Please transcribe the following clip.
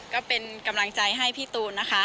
ก็เป็นกำลังใจให้พี่ตูนนะคะ